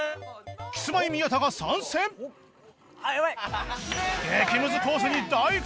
キスマイ宮田が参戦あっやばい！